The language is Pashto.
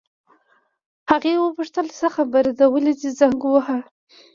هغې وپوښتل: څه خبره ده، ولې دې زنګ وواهه؟